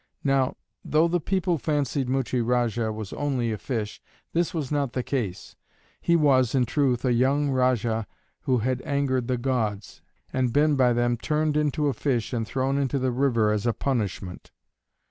Now, though the people fancied Muchie Rajah was only a fish, this was not the case. He was, in truth, a young Rajah who had angered the gods, and been by them turned into a fish and thrown into the river as a punishment.